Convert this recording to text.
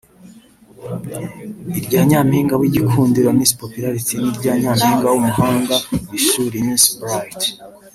irya Nyampinga w’igikundiro (Miss Popularity) n’irya Nyampinga w’umuhanga mu ishuri (Miss Bright)